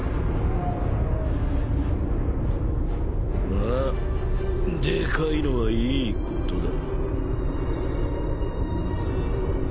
まあでかいのはいいことだ。